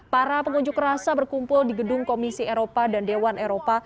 para pengunjuk rasa berkumpul di gedung komisi eropa dan dewan eropa